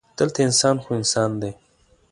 دلته انسان خو انسان دی.